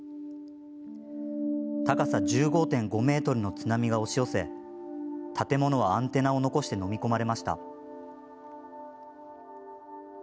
高さ１５．５ｍの津波が押し寄せ建物はアンテナを残してのみ込まれました。